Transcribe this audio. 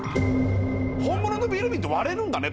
本物のビール瓶って割れるんだね。